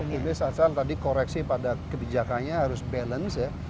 optimis asal tadi koreksi pada kebijakannya harus balance ya